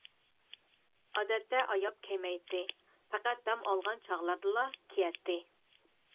ئادەتتە ئاياپ كىيمەيتتى، پەقەت دەم ئالغان چاغلىرىدىلا كىيەتتى.